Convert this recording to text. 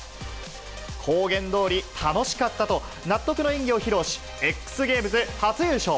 公言どおり、楽しかったと、納得の演技を披露し、Ｘゲームズ初優勝。